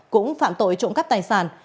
cũng phạm tội trộm cắp tài sản